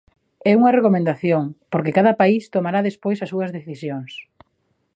É unha recomendación, porque cada país tomará despois as súas decisións.